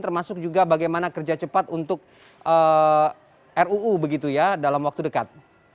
termasuk juga bagaimana kerja cepat untuk ruu begitu ya dalam waktu dekat